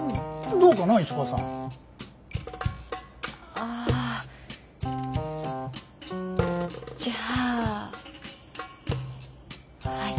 ああじゃあはい。